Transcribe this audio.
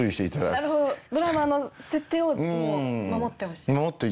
なるほどドラマの設定を守ってほしい。